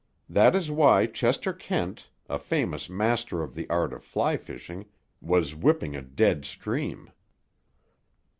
That is why Chester Kent, a famous master of the art of fly fishing, was whipping a "dead" stream.